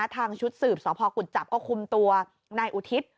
ทางชุดสืบสพกุจจับก็คุมตัวนายอุทิศ